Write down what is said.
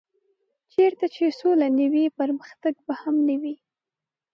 چېرته چې سوله نه وي پرمختګ به هم نه وي.